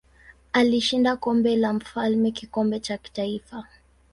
Alishinda Kombe la Mfalme kikombe cha kitaifa.